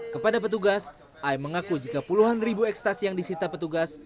kepada petugas am mengaku jika puluhan ribu ekstasi yang disita petugas